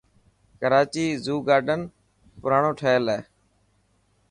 ڪراچي زو گارڊن پراڻو ٺهيل هي.